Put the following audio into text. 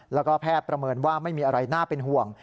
แล้วก็แพทย์ประเมินว่าไม่มีอะไรน่าเป็นห่วง